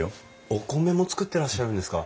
お米も作ってらっしゃるんですか？